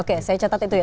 oke saya catat itu ya